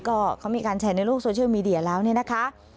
ก็เขามีการแชร์ในโลกโซเชียลมีเดียแล้วเนี่ยนะคะ